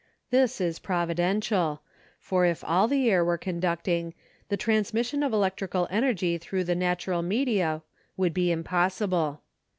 This is providential, for if all the air were conducting the transmission of elec trical energy thru the natural media would be impossible.